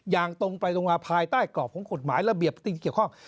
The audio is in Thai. อย่างตรงไปตรงมาภายใต้กรอบของกฎหมายระเบียบที่เกี่ยวข้อง